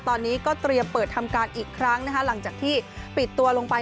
ตอนนี้ก็เตรียมเปิดทำการอีกครั้งนะคะหลังจากที่ปิดตัวลงไป